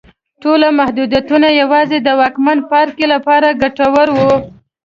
ټول محدودیتونه یوازې د واکمن پاړکي لپاره ګټور وو.